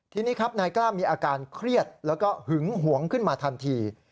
ทีนี้ครับนายกล้ามีอาการเครียดแล้วก็หึงหวงขึ้นมาทันที